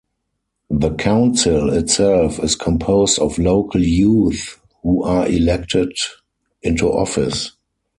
The Council itself is composed of local youth who are elected into office.